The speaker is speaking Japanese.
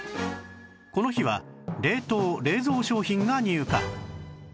この日は冷凍・冷蔵商品が入荷